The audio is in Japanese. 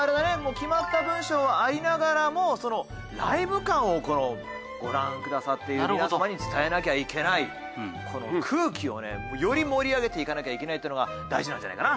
決まった文章ありながらもライブ感をご覧くださっている皆様に伝えなきゃいけないこの空気をねより盛り上げていかなきゃいけないってのが大事なんじゃないかな？